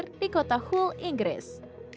pemandangan sungai humber di kota hull inggris